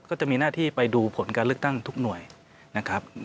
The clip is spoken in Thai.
ก็จะมีหน้าที่ไปดูผลการเลือกตั้งทุกหน่วยนะครับ